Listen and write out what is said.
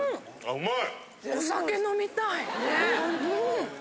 うまい。